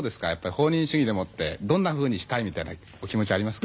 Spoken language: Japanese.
放任主義でもってどんなふうにしたいみたいなお気持ちありますか？